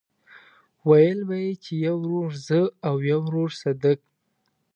ويل به يې چې يو ورور زه او يو ورور صدک.